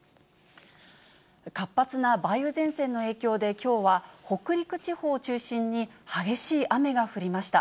活発な梅雨前線の影響で、きょうは、北陸地方を中心に激しい雨が降りました。